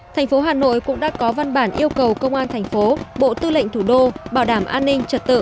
thành phố hà nội cũng đã có văn bản yêu cầu công an thành phố bộ tư lệnh thủ đô bảo đảm an ninh trật tự